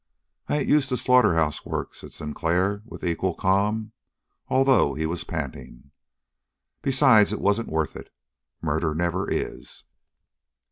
"I ain't used to slaughterhouse work," said Sinclair with equal calm, although he was panting. "Besides, it wasn't worth it. Murder never is."